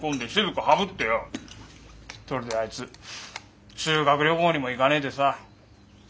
それであいつ修学旅行にも行かねえでさ。